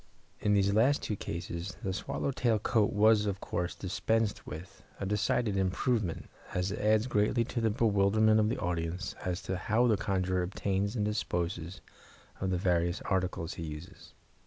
In these last two cases, the swallow tail coat was, of course, dispensed with, a decided improvement, as it adds greatly to the bewilderment of the audience as to how the conjurer obtains and disposes of the various articles he uses.